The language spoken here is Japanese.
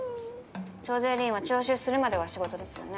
徴税吏員は徴収するまでが仕事ですよね？